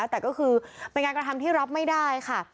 แต่ก็คือเป็นการกระทำที่รับไม่ได้ค่ะ